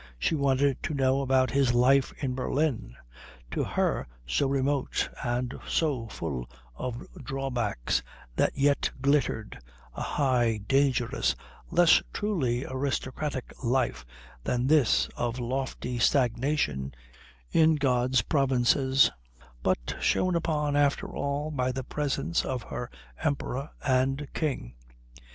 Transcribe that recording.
She wanted to know about his life in Berlin, to her so remote and so full of drawbacks that yet glittered, a high, dangerous, less truly aristocratic life than this of lofty stagnation in God's provinces, but shone upon after all by the presence of her Emperor and King.